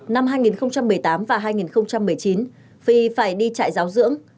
năm hai nghìn một mươi tám và hai nghìn một mươi chín phi phải đi trại giáo dưỡng